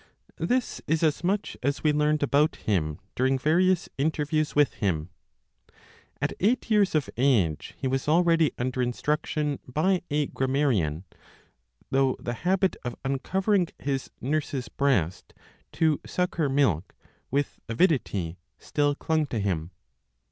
This is as much as we learned about him during various interviews with him. At eight years of age he was already under instruction by a grammarian, though the habit of uncovering his nurse's breast to suck her milk, with avidity, still clung to him.